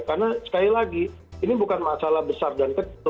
karena sekali lagi ini bukan masalah besar dan kecil